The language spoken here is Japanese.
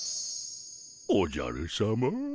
おじゃるさま。